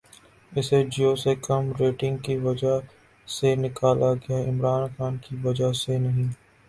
اسے جیو سے کم ریٹننگ کی وجہ سے نکالا گیا، عمران خان کی وجہ سے نہیں